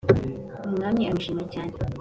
umwami aramushimacyane